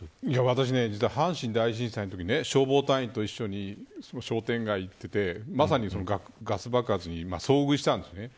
私、実は阪神・淡路大震災のとき消防隊員と一緒に商店街に行ってまさにガス爆発に遭遇したんです。